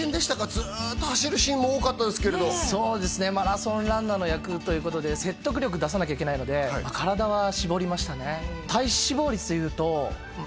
ずっと走るシーンも多かったですけどそうですねマラソンランナーの役ということで説得力出さなきゃいけないので体は絞りましたね